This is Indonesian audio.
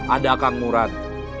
ada kang murad